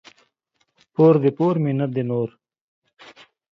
پور دي پور ، منت دي نور.